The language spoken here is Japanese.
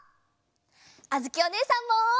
あづきおねえさんも！